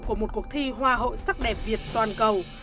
của một cuộc thi hoa hậu sắc đẹp việt toàn cầu